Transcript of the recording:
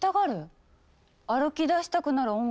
歩きだしたくなる音楽といえば。